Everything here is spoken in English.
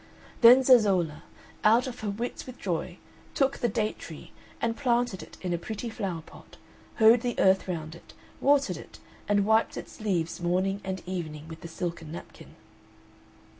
Then Zezolla, out of her wits with joy, took the date tree and planted it in a pretty flower pot, hoed the earth round it, watered it, and wiped its leaves morning and evening with the silken napkin.